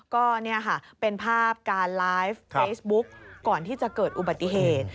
ก็เนี่ยค่ะเป็นภาพการไลฟ์เฟซบุ๊กก่อนที่จะเกิดอุบัติเหตุ